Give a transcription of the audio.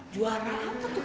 juara apa tuh kan